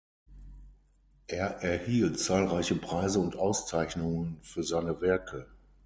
Er erhielt zahlreiche Preise und Auszeichnungen für seine Werke.